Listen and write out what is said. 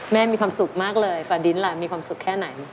มีความสุขมากเลยฟาดินล่ะมีความสุขแค่ไหน